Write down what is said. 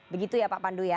begitu ya pak pandu ya